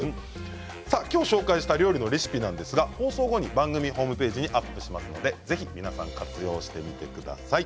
今日紹介した料理のレシピは放送後に番組ホームページにアップしますのでぜひ皆さん活用してみてください。